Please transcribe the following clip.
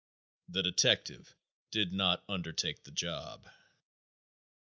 The detective did not undertake the job....